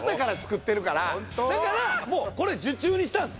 だからもうこれ受注にしたんです